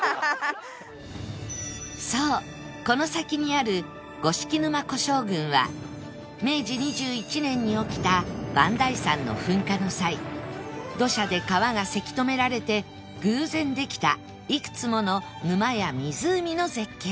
そうこの先にある五色沼湖沼群は明治２１年に起きた磐梯山の噴火の際土砂で川がせき止められて偶然できたいくつもの沼や湖の絶景